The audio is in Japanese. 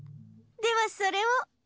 ではそれを。